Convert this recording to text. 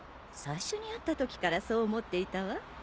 最初に会ったときからそう思っていたわ。